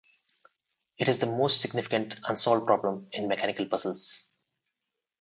It is the most significant unsolved problem in mechanical puzzles.